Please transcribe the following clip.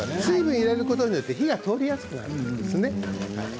水分を入れることによって火が通りやすくなるんですね。